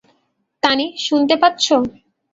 তানি, শুনতে পাচ্ছ?